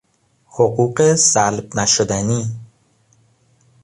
حقوق سلب نشدنی